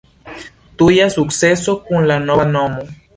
Tuja sukceso kun la nova nomo.